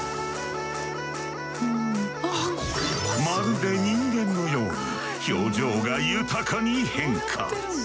まるで人間のように表情が豊かに変化。